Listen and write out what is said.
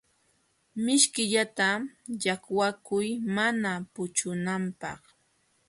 Mishkillata llaqwakuy mana puchunanpaq.